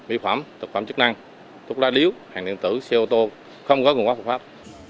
vi phạm thực phẩm chức năng thuốc lá điếu hàng điện tử xe ô tô không có nguồn gốc hợp pháp